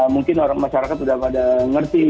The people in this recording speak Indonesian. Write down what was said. mungkin masyarakat sudah pada ngerti